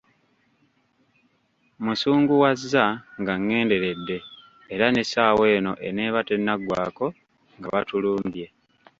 Mmusunguwazza nga ngenderedde; era n'essaawa eno eneeba tennaggwaako nga batulumbye.